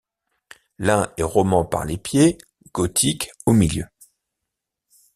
L’un est roman par les pieds, gothique au milieu